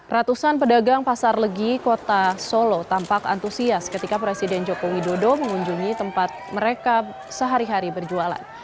ratusan pedagang pasar legi kota solo tampak antusias ketika presiden joko widodo mengunjungi tempat mereka sehari hari berjualan